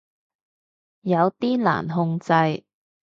有啲難控制